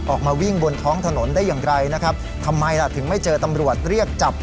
ออกมาวิ่งบนท้องถนนได้อย่างไรนะครับทำไมล่ะถึงไม่เจอตำรวจเรียกจับ